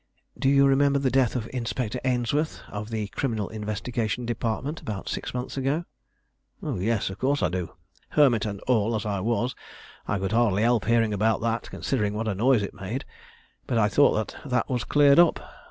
Do you remember the death of Inspector Ainsworth, of the Criminal Investigation Department, about six months ago?" "Yes, of course I do. Hermit and all as I was, I could hardly help hearing about that, considering what a noise it made. But I thought that was cleared up.